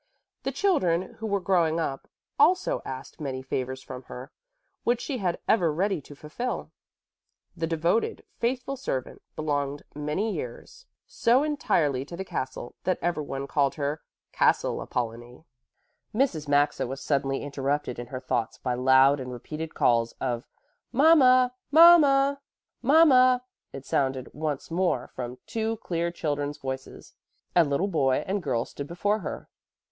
The children, who were growing up, also asked many favors from her, which she was ever ready to fulfill. The devoted, faithful servant belonged many years so entirely to the castle that everyone called her "Castle Apollonie." Mrs. Maxa was suddenly interrupted in her thoughts by loud and repeated calls of "Mama, Mama!" "Mama!" it sounded once more from two clear children's voices, and a little boy and girl stood before her.